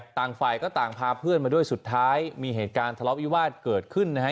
ต่างฝ่ายก็ต่างพาเพื่อนมาด้วยสุดท้ายมีเหตุการณ์ทะเลาะวิวาสเกิดขึ้นนะฮะ